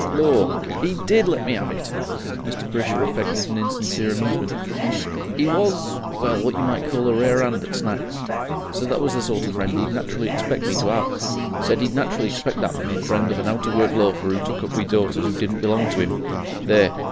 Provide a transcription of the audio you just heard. Lor'! 'e DID let me 'ave it!" Mr. Brisher affected an insincere amusement. "'E was, well what you might call a rare 'and at Snacks. Said that was the sort of friend 'e'd naturally expect me to 'ave. Said 'e'd naturally expect that from the friend of a out of work loafer who took up with daughters who didn't belong to 'im. There!